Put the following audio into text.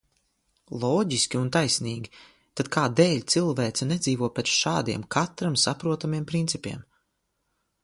Loģiski un taisnīgi. Tad kādēļ cilvēce nedzīvo pēc šādiem, katram saprotamiem principiem?